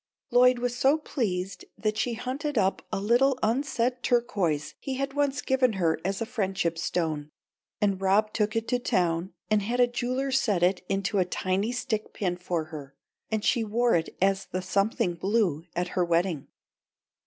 Lloyd was so pleased that she hunted up a little unset turquoise he had once given her as a friendship stone, and Rob took it to town and had a jeweller set it into a tiny stick pin for her, and she wore it as the "something blue" at her wedding.